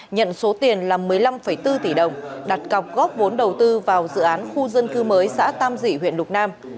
nhận số tiền là một mươi năm bốn tỷ đồng đặt cọc góp vốn đầu tư vào dự án khu dân cư mới xã tam dĩ huyện lục nam